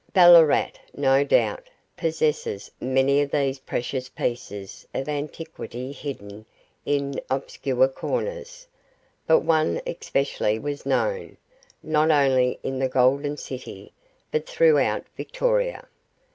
Ballarat, no doubt, possesses many of these precious pieces of antiquity hidden in obscure corners, but one especially was known, not only in the Golden City, but throughout Victoria.